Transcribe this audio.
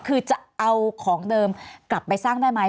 คือจะเอาของเดิมกลับไปสร้างได้ไหม